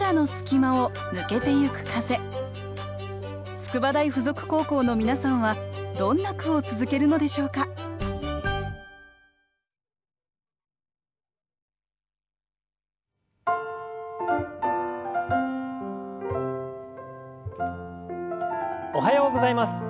筑波大附属高校の皆さんはどんな句を続けるのでしょうかおはようございます。